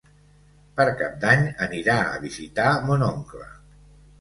Per Cap d'Any anirà a visitar mon oncle.